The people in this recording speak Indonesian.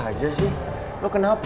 harus dikuat melihat